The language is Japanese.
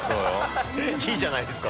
いいじゃないですか。